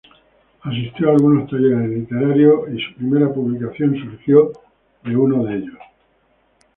Asistió a algunos talleres literarios y su primera publicación surgió desde uno de ellos.